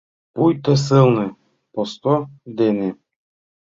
Пуйто сылне посто дене